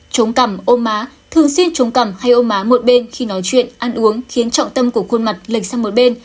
chống cằm ôm má thường xuyên chống cằm hay ôm má một bên khi nói chuyện ăn uống khiến trọng tâm của khuôn mặt lệch sang một bên